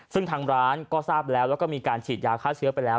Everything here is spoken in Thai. ซึ่งทางร้านก็ทราบแล้วแล้วก็มีการฉีดยาฆ่าเชื้อไปแล้ว